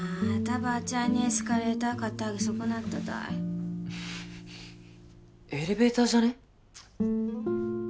ばーちゃんにエスカレーター買ってあげそこなったたいエレベーターじゃね？